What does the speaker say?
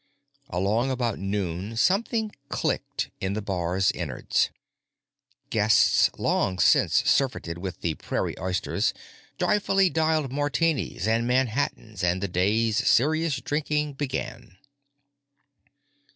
Along about noon something clicked in the bar's innards. Guests long since surfeited with the prairie oysters joyously dialed martinis and manhattans and the day's serious drinking began.